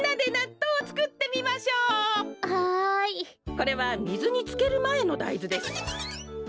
これはみずにつけるまえのだいずです。